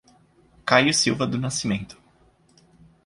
Caio Silva do Nascimento